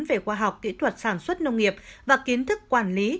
về khoa học kỹ thuật sản xuất nông nghiệp và kiến thức quản lý